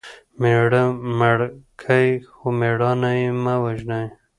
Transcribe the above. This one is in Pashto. مېړه مړ کى؛ خو مړانه ئې مه وژنئ!